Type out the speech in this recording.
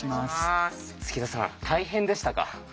杉田さん大変でしたか？